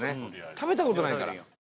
食べた事ないから。